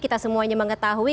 kita semuanya mengetahui